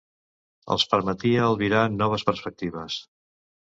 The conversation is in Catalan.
Els permetia albirar noves perspectives.